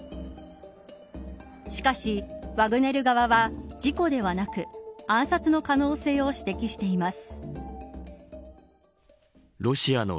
しかし、ワグネル側は事故ではなく暗殺の可能性を指摘しています。